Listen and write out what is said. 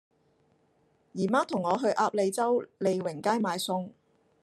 姨媽同我去鴨脷洲利榮街買餸